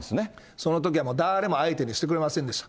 そのときは誰も相手にしてくれませんでした。